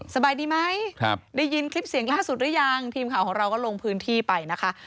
สบายดีไหมได้ยินคลิปเสียงล่าสุดหรือยังทีมข่าวของเราก็ลงพื้นที่ไปนะคะ